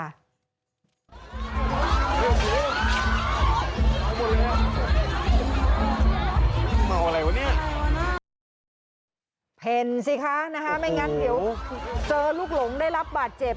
เห็นสิคะนะคะไม่งั้นเดี๋ยวเจอลูกหลงได้รับบาดเจ็บ